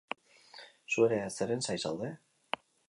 Zu ere zeren zain zaude?